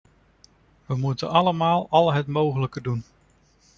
We moeten allemaal al het mogelijke doen.